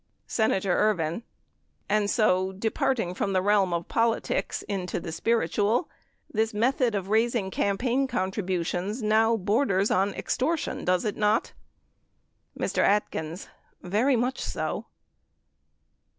Senator Ervin. And so departing from the realm of poli tics into the spiritual, the method of raising campaign contri butions now borders on extortion, does it not ? Mr. Atkins. Very much so.